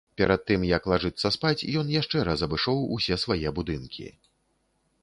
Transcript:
Перад тым як лажыцца спаць, ён яшчэ раз абышоў усе свае будынкі.